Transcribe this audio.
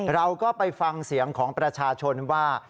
เราก็ไปฟังเสียงของประชาชนว่า